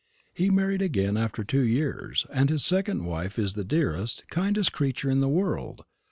He married again after two years, and his second wife is the dearest, kindest creature in the world.